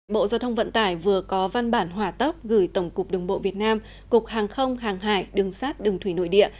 bộ giao thông vận tải vừa có văn bản hỏa tốc gửi tổng cục đường bộ việt nam cục hàng không hàng hải đường sát đường thủy nội địa